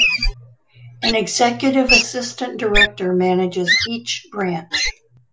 An executive assistant director manages each branch.